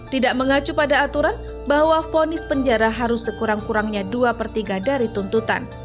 tidak mengacu pada aturan bahwa fonis penjara harus sekurang kurangnya dua per tiga dari tuntutan